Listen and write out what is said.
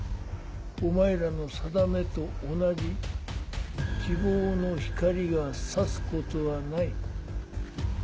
お前らのさだめと同じ希望の光が差すことはない。